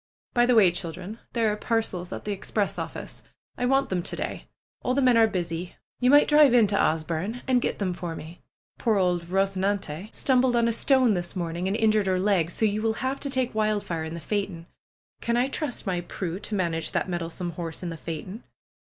By the way, children, there are parcels at the express office. I want them to day. All the men are busy. You might drive into Asburne and get them for me. Poor old Eosenante stumbled on a stone this morning and injured her leg. So you will have to take Wildfire in the phaeton. I can trust my Prue to manage that mettlesome horse in the phaeton?"